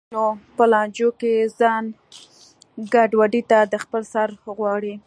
احمد د کلیوالو په لانجو کې ځان نه ګډوي تل د خپل سر غواړي.